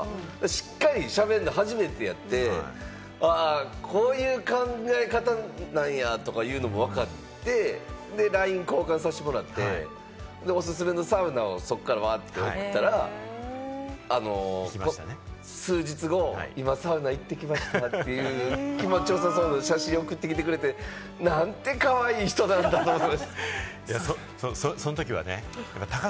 しっかり喋るの初めてやって、うわ、こういう考え方なんやとかいうのも分かって、ＬＩＮＥ交換させてもらって、おすすめのサウナを、そこからワーッて送ったら、数日後、今、サウナ行ってきましたという気持ちよさそうな写真を送ってきてくれて、なんてかわいい人なんだと思って。